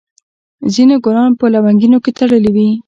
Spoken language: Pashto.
ځینو ګلان په لونګیو کې تړلي وي.